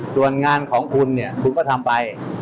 ส่วนงานของคุณเนี่ยคุณก็ทำไป